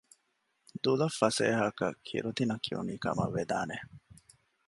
ދުލަށް ފަސޭހައަކަށް ކިރުތިނަ ކިޔުނީ ކަމަށް ވެދާނެ